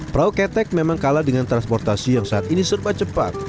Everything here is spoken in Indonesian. perahu ketek memang kalah dengan transportasi yang saat ini serba cepat